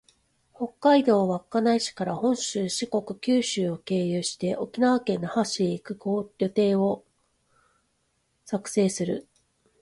北海道稚内市から本州、四国、九州を経由して、沖縄県那覇市へ行く旅程を作成する